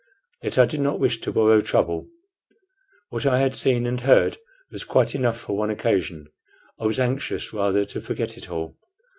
Yet I did not wish to borrow trouble. What I had seen and heard was quite enough for one occasion. I was anxious, rather, to forget it all.